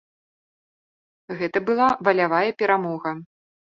Гэта была валявая перамога.